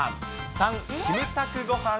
３、キムタクごはん。